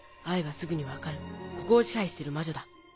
会えばすぐに分かるここを支配してる魔女だ。